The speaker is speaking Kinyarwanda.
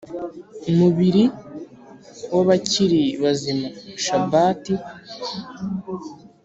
mubiri w abakiri bazima Shabbat